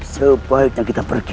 sebaiknya kita pergi